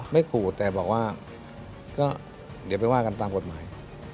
ขู่แต่บอกว่าก็เดี๋ยวไปว่ากันตามกฎหมาย